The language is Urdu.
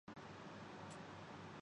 میری گھڑی پیچھے ہے